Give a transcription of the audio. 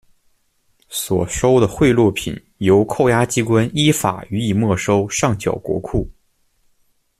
所收的贿赂品由扣押机关依法予以没收上缴国库。